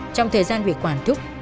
trong thời gian bị quản thúc